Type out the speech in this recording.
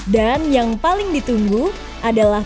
dan yang paling ditunggu adalah